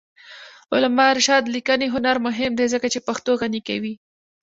د علامه رشاد لیکنی هنر مهم دی ځکه چې پښتو غني کوي.